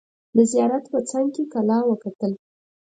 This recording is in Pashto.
د زیارت په څنګ کې کلا وکتل.